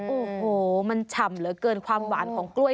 โอ้โหมันฉ่ำเหลือเกินความหวานของกล้วย